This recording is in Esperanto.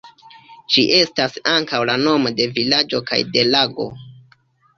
Ĝi estas ankaŭ la nomo de vilaĝo kaj de lago.